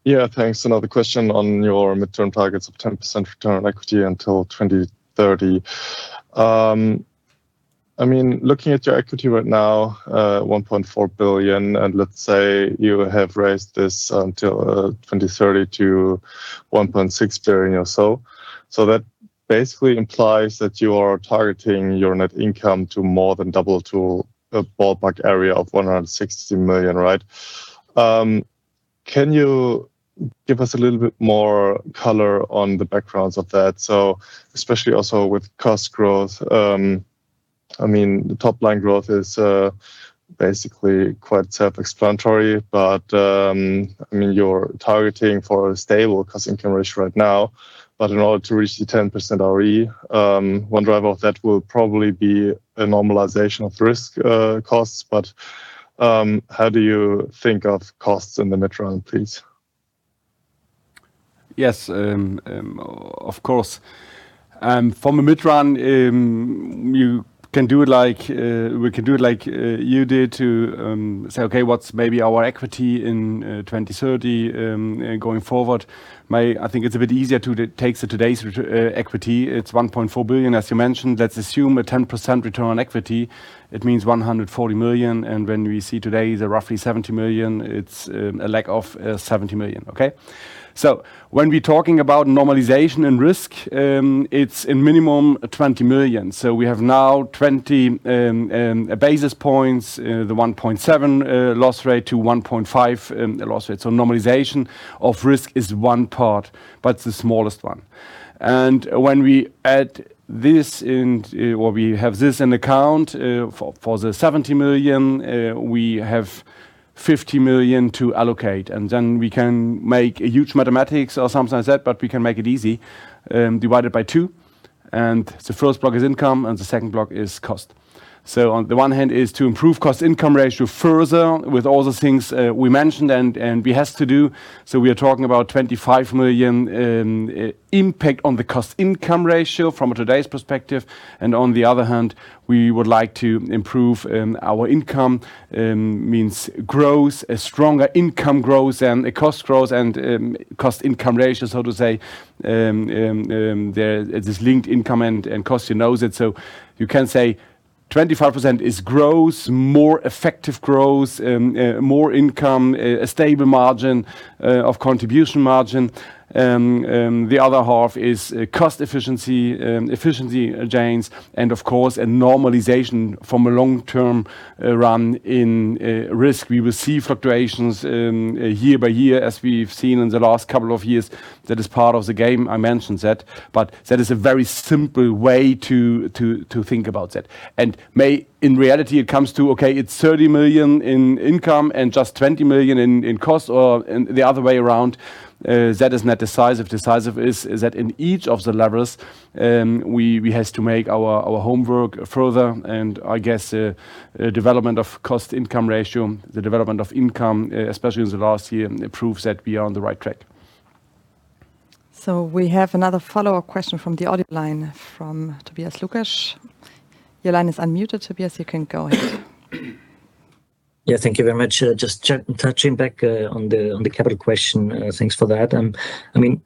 Yeah, thanks. Another question on your midterm targets of 10% return on equity until 2030. I mean, looking at your equity right now, 1.4 billion, and let's say you have raised this until 2030 to 1.6 billion or so. That basically implies that you are targeting your net income to more than double to a ballpark area of 160 million, right? Can you give us a little bit more color on the backgrounds of that? Especially also with cost growth, I mean, the top line growth is basically quite self-explanatory, but I mean, you're targeting for a stable cost-income ratio right now. In order to reach the 10% ROE, one driver of that will probably be a normalization of risk costs. How do you think of costs in the mid term, please? Yes. Of course. From a mid run, you can do it like you did to say, okay, what's maybe our equity in 2030 going forward. I think it's a bit easier to take today's equity. It's 1.4 billion, as you mentioned. Let's assume a 10% return on equity. It means 140 million. When we see today the roughly 70 million, it's a lack of 70 million. Okay? When we're talking about normalization and risk, it's a minimum 20 million. We have now 20 basis points, the 1.7 loss rate to 1.5 loss rate. Normalization of risk is one part, but the smallest one. When we have this in account for the 70 million, we have 50 million to allocate, and then we can make a huge mathematics or something like that, but we can make it easy. Divide it by two, and the first block is income, and the second block is cost. On the one hand is to improve cost-income ratio further with all the things we mentioned and we have to do. We are talking about 25 million in impact on the cost-income ratio from today's perspective. On the other hand, we would like to improve our income, means growth, a stronger income growth and a cost growth and cost-income ratio, so to say. This linked income and cost, you know it. You can say 25% is growth, more effective growth, more income, a stable margin of contribution margin. The other half is cost efficiency gains and of course a normalization from a long-term run-up in risk. We will see fluctuations year by year, as we've seen in the last couple of years. That is part of the game. I mentioned that. That is a very simple way to think about that. Maybe, in reality, it comes to, okay, it's 30 million in income and just 20 million in costs or the other way around. That is not the size. The size is that in each of the levels, we have to make our homework further. I guess, development of cost-income ratio, the development of income, especially in the last year, proves that we are on the right track. We have another follow-up question from the audio line from Tobias Lukesch. Your line is unmuted, Tobias. You can go ahead. Yeah, thank you very much. Just touching back on the capital question. Thanks for that. I mean,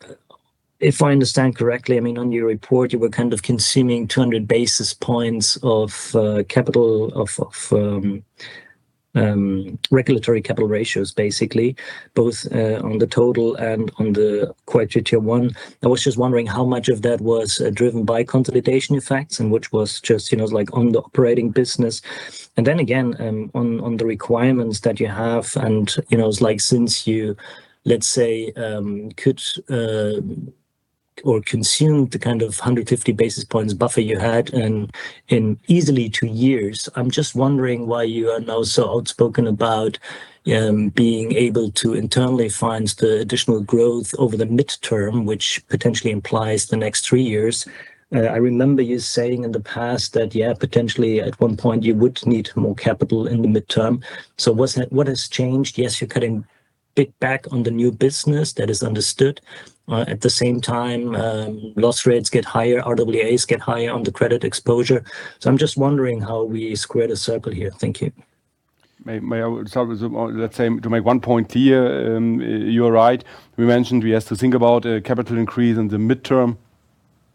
if I understand correctly, I mean, on your report, you were kind of consuming 200 basis points of capital of regulatory capital ratios, basically, both on the total and on the Tier 1. I was just wondering how much of that was driven by consolidation effects and which was just, you know, like on the operating business. On the requirements that you have and, you know, like since you, let's say, consumed the kind of 150 basis points buffer you had in easily two years, I'm just wondering why you are now so outspoken about being able to internally fund the additional growth over the midterm, which potentially implies the next three years. I remember you saying in the past that, yeah, potentially at one point you would need more capital in the midterm. What's that? What has changed? Yes, you're cutting back a bit on the new business. That is understood. At the same time, loss rates get higher, RWAs get higher on the credit exposure. I'm just wondering how we square the circle here. Thank you. May I start, let's say, to make one point here. You are right. We mentioned we have to think about a capital increase in the mid-term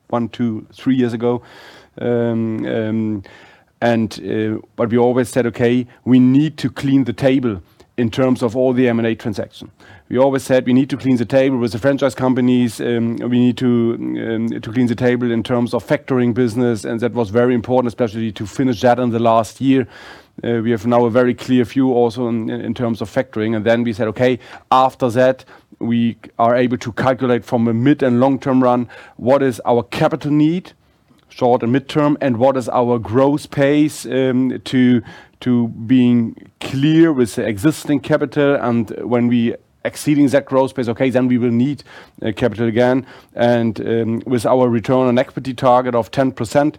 one, two, three years ago. We always said, okay, we need to clean the table in terms of all the M&A transactions. We always said we need to clean the table with the franchise companies. We need to clean the table in terms of factoring business. That was very important, especially to finish that in the last year. We have now a very clear view also in terms of factoring. Then we said, okay, after that, we are able to calculate from a mid- and long-term run what is our capital need? Short- and midterm, and what is our growth pace, to being clear with the existing capital and when we exceed that growth pace, okay, then we will need capital again. With our return on equity target of 10%,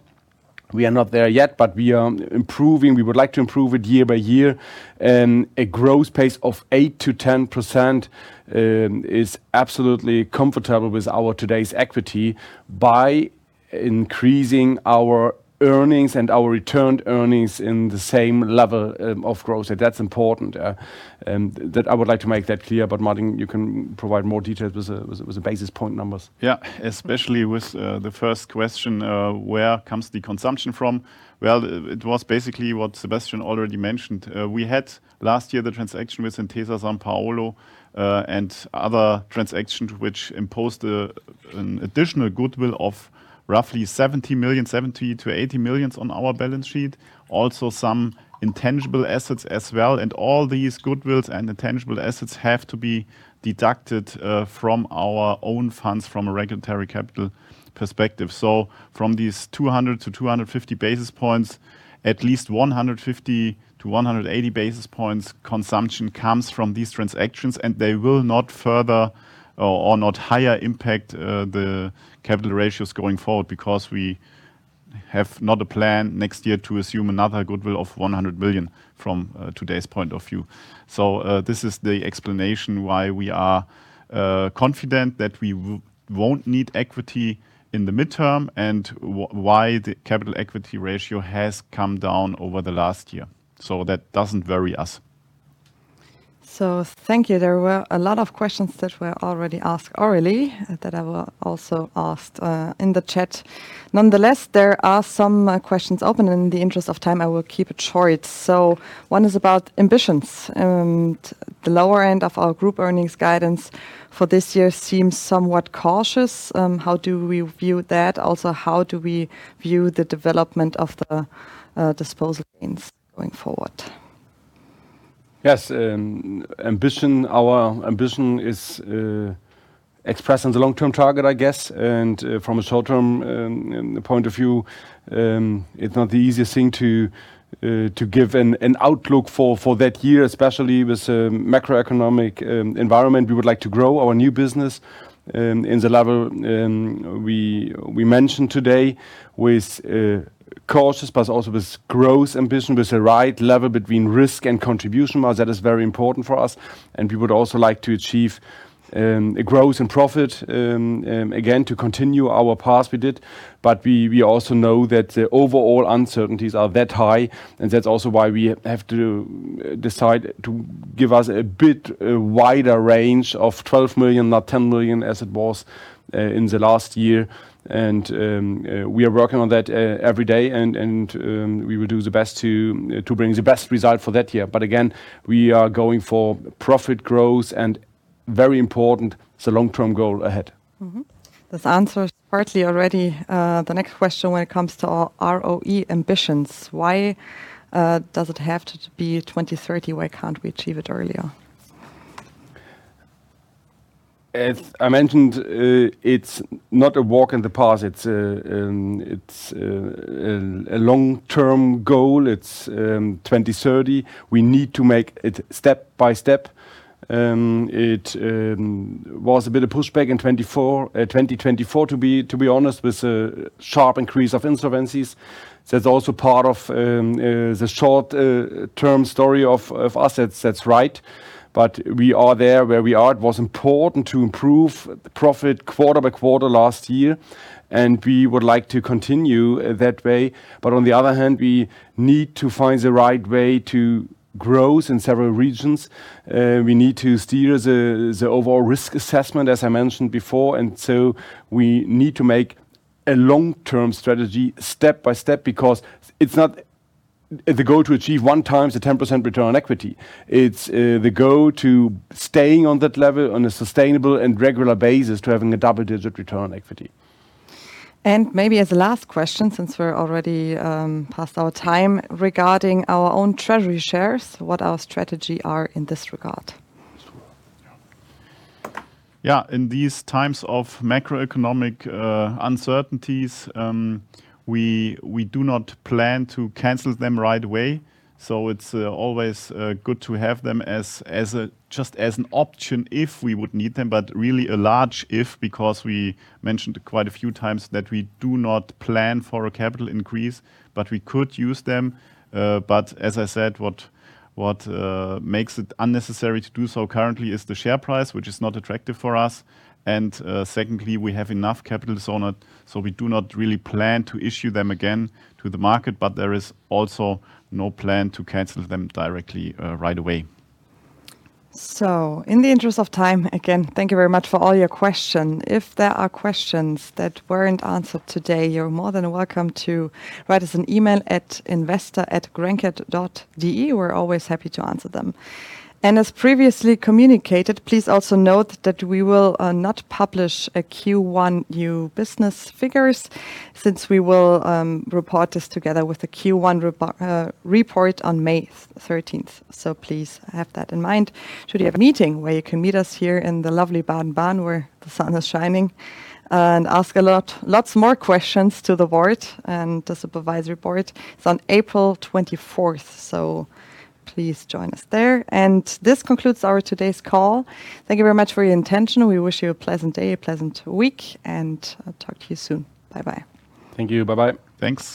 we are not there yet, but we are improving. We would like to improve it year by year. A growth pace of 8%-10% is absolutely comfortable with our today's equity by increasing our earnings and our retained earnings in the same level of growth. That's important, and that I would like to make that clear. But Martin, you can provide more details with the basis point numbers. Yeah. Especially with the first question, where comes the consumption from? Well, it was basically what Sebastian already mentioned. We had last year the transaction with Intesa Sanpaolo and other transactions which imposed an additional goodwill of roughly 70 million-80 million on our balance sheet. Also, some intangible assets as well. All these goodwills and intangible assets have to be deducted from our own funds from a regulatory capital perspective. From these 200 basis points-250 basis points, at least 150 basis points-180 basis points consumption comes from these transactions, and they will not further or not higher impact the capital ratios going forward because we have not a plan next year to assume another goodwill of 100 million from today's point of view. This is the explanation why we are confident that we won't need equity in the midterm and why the capital equity ratio has come down over the last year. That doesn't worry us. Thank you. There were a lot of questions that were already asked orally that I will also ask in the chat. Nonetheless, there are some questions open. In the interest of time, I will keep it short. One is about ambitions and the lower end of our group earnings guidance for this year seems somewhat cautious. How do we view that? Also, how do we view the development of the disposal gains going forward? Yes. Ambition. Our ambition is expressed on the long-term target, I guess, and from a short-term point of view, it's not the easiest thing to give an outlook for that year, especially with the macroeconomic environment. We would like to grow our new business in the level we mentioned today with cautious but also with growth ambition, with the right level between risk and contribution. While that is very important for us, and we would also like to achieve a growth in profit again, to continue our path we did. We also know that the overall uncertainties are that high, and that's also why we have to decide to give us a bit wider range of 12 million, not 10 million as it was in the last year. We are working on that every day and we will do the best to bring the best result for that year. Again, we are going for profit growth and, very important, the long-term goal ahead. Mm-hmm. This answers partly already, the next question when it comes to ROE ambitions. Why does it have to be 2030? Why can't we achieve it earlier? As I mentioned, it's not a walk in the park. It's a long-term goal. It's 2030. We need to make it step by step. It was a bit of pushback in 2024, to be honest, with a sharp increase of insolvencies. That's also part of the short-term story of assets. That's right. We are there where we are. It was important to improve the profit quarter by quarter last year, and we would like to continue that way. On the other hand, we need to find the right way to grow in several regions. We need to steer the overall risk assessment, as I mentioned before. We need to make a long-term strategy step by step, because it's not the goal to achieve one time the 10% return on equity. It's the goal to staying on that level on a sustainable and regular basis to having a double-digit return on equity. Maybe as a last question, since we're already past our time, regarding our own treasury shares, what our strategy are in this regard? Yeah. In these times of macroeconomic uncertainties, we do not plan to cancel them right away. It's always good to have them as just an option if we would need them. Really a large if, because we mentioned quite a few times that we do not plan for a capital increase, but we could use them. As I said, what makes it unnecessary to do so currently is the share price, which is not attractive for us. Secondly, we have enough capital, so we do not really plan to issue them again to the market, but there is also no plan to cancel them directly right away. In the interest of time, again, thank you very much for all your questions. If there are questions that weren't answered today, you're more than welcome to write us an email at investor@grenke.de. We're always happy to answer them. As previously communicated, please also note that we will not publish a Q1 new business figures since we will report this together with the Q1 report on May 13th. Please have that in mind. Today we have a meeting where you can meet us here in the lovely Baden-Baden, where the sun is shining, and ask lots more questions to the board and the supervisory board. It's on April 24th, so please join us there. This concludes our today's call. Thank you very much for your attention. We wish you a pleasant day, a pleasant week, and I'll talk to you soon. Bye-bye. Thank you. Bye-bye. Thanks.